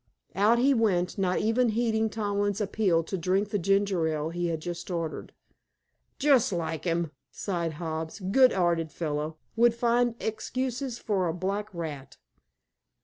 Out he went, not even heeding Tomlin's appeal to drink the ginger ale he had just ordered. "Just like 'im," sighed Hobbs. "Good 'earted fellow! Would find hexcuses for a black rat."